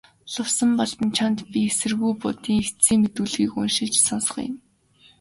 Лувсанбалдан чамд би эсэргүү Будын эцсийн мэдүүлгийг уншиж сонсгоё.